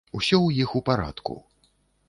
Усё ў іх у парадку.